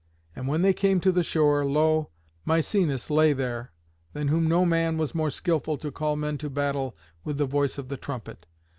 And when they came to the shore, lo! Misenus lay there, than whom no man was more skilful to call men to battle with the voice of the trumpet.